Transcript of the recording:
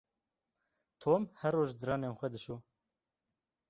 Tom her roj diranên xwe dişo.